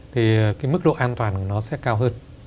thì cái mức độ an toàn của nó sẽ cao hơn